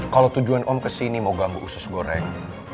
kalau tujuan om kesini mau gambu usus goreng